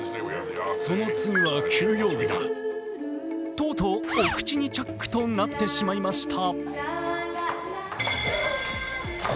とうとうお口にチャックとなってしまいました。